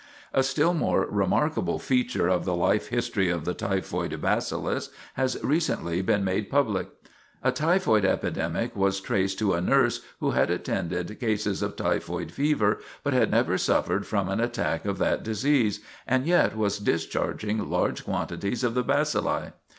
A still more remarkable feature of the life history of the typhoid bacillus has recently been made public. A typhoid epidemic was traced to a nurse who had attended cases of typhoid fever, but had never suffered from an attack of that disease, and yet was discharging large quantities of the bacilli.